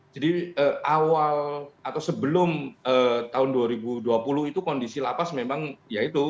awal atau sebelum tahun dua ribu dua puluh itu kondisi lapas memang ya itu